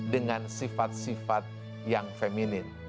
dengan sifat sifat yang feminin